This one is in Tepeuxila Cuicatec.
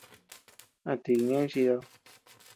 ¿A ti kane chidad?